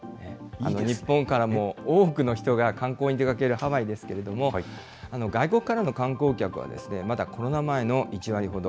日本からも、多くの人が観光に出かけるハワイですけれども、外国からの観光客はまだコロナ前の１割ほど。